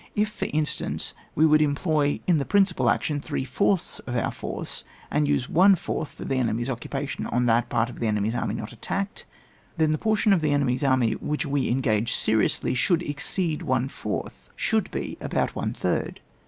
If, for instance, we would employ in the principal action three fourths of our force, and use one fourth for the occupation of that part of the enemy's army not attacked, then the portion of the enemy's army which we engage se riously should exceed one fourth, should GUIDE TO TACTICS, OR TEH THEORY OF THE COMBAT. 163 be about one third.